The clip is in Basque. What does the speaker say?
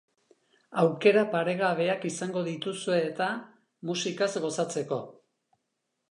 Aukera paregabeak izango dituzue eta, musikaz gozatzeko.